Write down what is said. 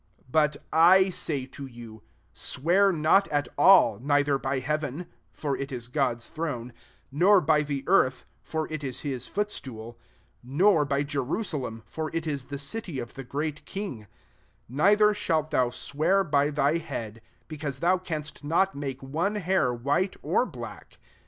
34 But I say to you, Swear not at ally neither by heaven, for it is God's throne ; 35 nor by the earth, for it is his footstool ; nor by Jerusalem, for it is the city of the great king 36 Neither sh^t thou sweai* by thy head ; because thou canst not make Qiae hair white or black.